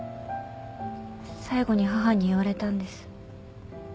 最期に母に言われたんです。